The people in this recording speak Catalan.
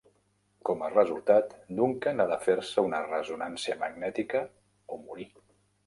Com a resultat, Duncan ha de fer-se una ressonància magnètica o morir.